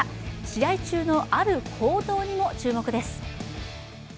試合中のある行動にも注目です。